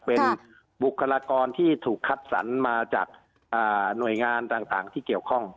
เป็นบุคลากรที่ถูกคัดสรรมาจากหน่วยงานต่างที่เกี่ยวข้อง